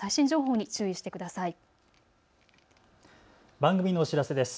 番組のお知らせです。